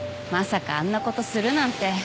まさかあんなことするなんて。